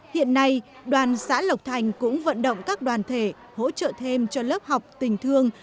hiện nay đoàn xã lộc thành cũng vận động các đoàn thể hỗ trợ thêm cho lớp học tình thương